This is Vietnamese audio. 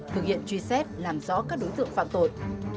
thực hiện truy xét làm rõ các đối tượng phạm tội